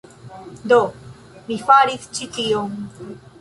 Do, mi faris ĉi tion